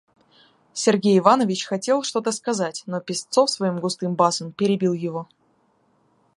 Сергей Иванович хотел что-то сказать, но Песцов своим густым басом перебил его.